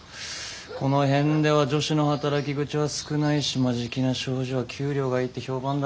この辺では女子の働き口は少ないし眞境名商事は給料がいいって評判だのに。